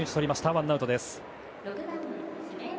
ワンアウトです。